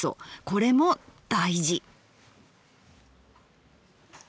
これも大事。